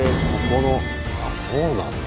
あそうなんだ。